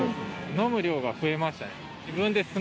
飲む量が増えましたね。